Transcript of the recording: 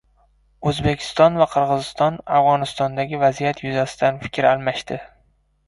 O‘zbekiston va Qirg‘iziston Afg‘onistondagi vaziyat yuzasidan fikr almashdi